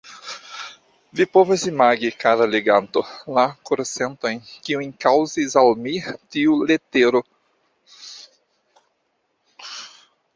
Vi povas imagi, kara leganto, la korsentojn, kiujn kaŭzis al mi tiu letero.